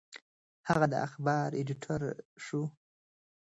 هغه د اخبار ایډیټور شو.